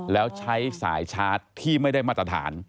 แล้วใช้สายชาร์จที่ไม่ได้มาตรฐาน